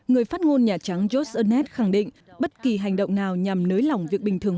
người phát ngôn nhà trắng johnet khẳng định bất kỳ hành động nào nhằm nới lỏng việc bình thường